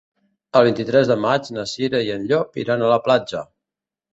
El vint-i-tres de maig na Cira i en Llop iran a la platja.